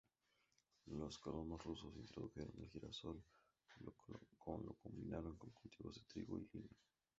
Los colonos rusos introdujeron el girasol lo combinaron con cultivos de trigo y lino.